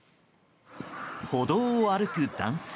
歩道を歩く男性。